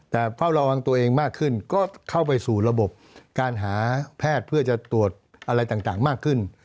แต่เฝ้าระวังตัวเองมากขึ้นก็เข้าไปสู่ระบบการหาแพทย์เพื่อจะตรวจอะไรต่างมากขึ้น